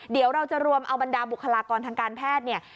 เดี๋ยวเราจะรวมเอาบรรดาบุคลากรทางการแพทย์เนี่ย